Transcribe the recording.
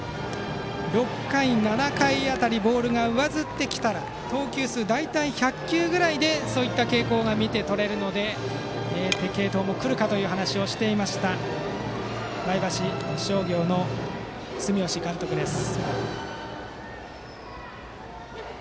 ６回、７回辺りボールが上ずってきたら投球数大体１００球ぐらいでそういった傾向が見て取れるので継投をしてくるかという話をしていた前橋商業の住吉監督です。